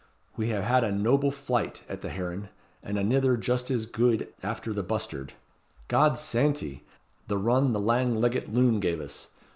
We hae had a noble flight at the heron, and anither just as guid after the bustard. God's santy! the run the lang leggit loon gave us.